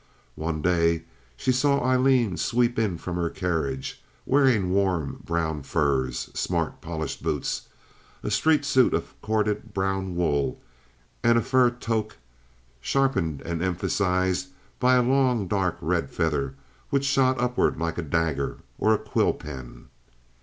One day she saw Aileen sweep in from her carriage, wearing warm brown furs, smart polished boots, a street suit of corded brown wool, and a fur toque sharpened and emphasized by a long dark red feather which shot upward like a dagger or a quill pen.